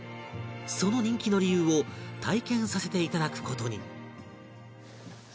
その人気の理由を体験させて頂く事に